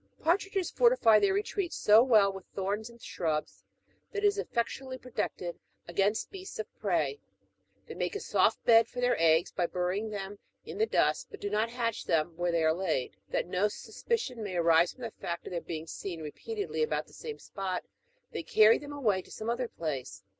Partridges^ fortiiy theii' reti'eat so well with thorns and shrubs, that it is elfectually protected against beasts of prey. They make a soft bed for their eggs by buiying them in the dust, but do not hatch them where they are laid : that no sus picion may arise from the fact of their being seen repeatedly about the same spot, they carry them away to some other place.